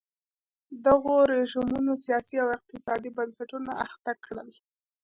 دغو رژیمونو سیاسي او اقتصادي بنسټونه اخته کړل.